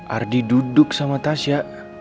ardi duduk sama tasya